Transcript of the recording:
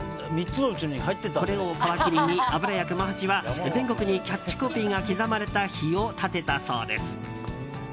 これを皮切りに油屋熊八は全国にキャッチコピーが刻まれた碑を立てたそうです。